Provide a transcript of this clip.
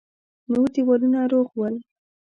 نور دېوالونه روغ ول.